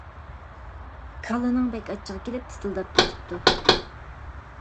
كالىنىڭ بەك ئاچچىقى كېلىپ تىتىلداپ كېتىپتۇ.